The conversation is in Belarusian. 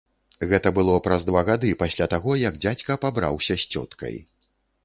Гэта было праз два гады пасля таго, як дзядзька пабраўся з цёткай.